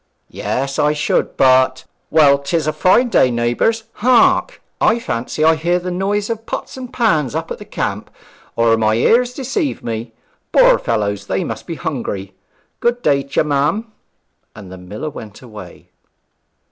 'Yes, I should, but . Well, 'tis a fine day, neighbours. Hark! I fancy I hear the noise of pots and pans up at the camp, or my ears deceive me. Poor fellows, they must be hungry! Good day t'ye, ma'am.' And the miller went away.